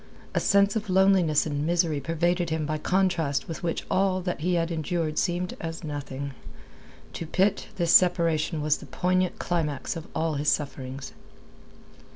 A sense of loneliness and misery pervaded him by contrast with which all that he had endured seemed as nothing. To Pitt, this separation was the poignant climax of all his sufferings.